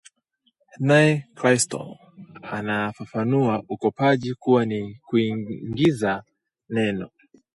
Naye Crystal anafafanua ukopaji kuwa ni kuingiza neno